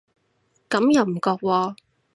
咁又唔覺喎